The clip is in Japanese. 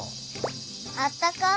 あったかい。